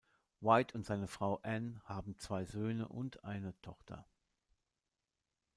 White und seine Frau Anne haben zwei Söhne und eine Tochter.